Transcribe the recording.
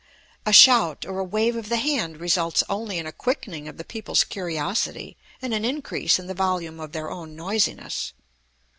A shout, or a wave of the hand results only in a quickening of the people's curiosity and an increase in the volume of their own noisiness.